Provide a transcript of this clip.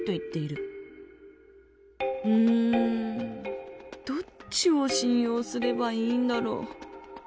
んどっちを信用すればいいんだろ。